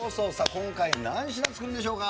今回、何品作るんでしょうか？